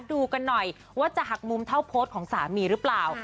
ดูกันหน่อยว่าจะหักมุมเท่าโพสต์ของสามีหรือเปล่า